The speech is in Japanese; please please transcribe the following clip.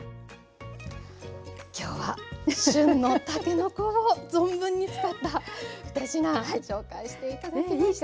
今日は旬のたけのこを存分に使った２品紹介して頂きました。